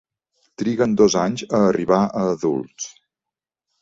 Triguen dos anys a arribar a adults.